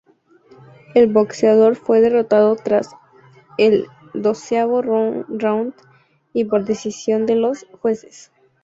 El boxeador fue derrotado tras el doceavo round y por decisión de los jueces.